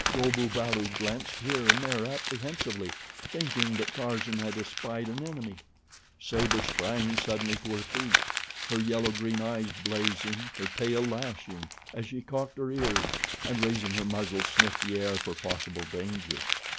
Go bu balu glanced here and there apprehensively, thinking that Tarzan had espied an enemy. Sabor sprang suddenly to her feet, her yellow green eyes blazing, her tail lashing as she cocked her ears, and raising her muzzle, sniffed the air for possible danger.